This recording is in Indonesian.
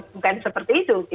bukan seperti itu